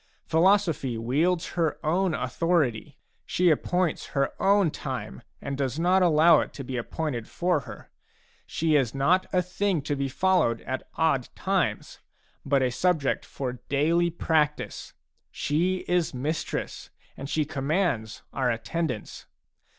Philosophy wields her own authority ; she appoints her own time and does not allow it to be appointed for her. She is not a thing to be followed at odd times, but a subject for daily practice ; she is mistress, and she commands our attendance.